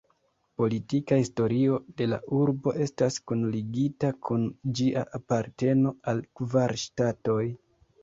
Politika historio de la urbo estas kunligita kun ĝia aparteno al kvar ŝtatoj.